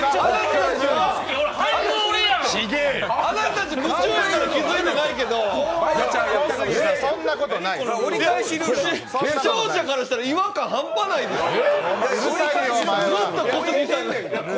あなたたち、夢中で気付いてないけど視聴者からしたら違和感ハンパないですよ。